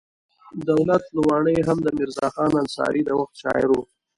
دولت لواڼی هم د میرزا خان انصاري د وخت شاعر و.